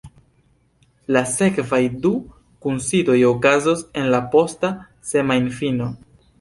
La sekvaj du kunsidoj okazos en la posta semajnfino.